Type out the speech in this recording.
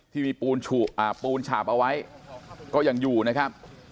ที่มีปูนฉาบเอาไว้ก็ยังอยู่นะครับ